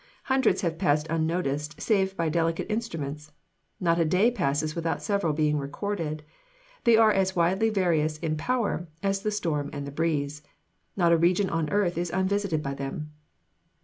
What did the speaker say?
Hundreds have passed unnoticed save by delicate instruments. Not a day passes without several being recorded. They are as widely various in power as the storm and the breeze. Not a region on earth is unvisited by them.